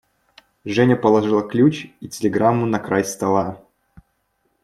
Женя положила ключ и телеграмму на край стола.